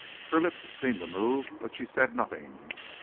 Her lips seemed to move, but she said nothing.